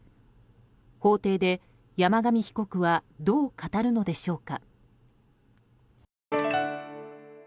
法廷で山上被告はどう語るのでしょうか。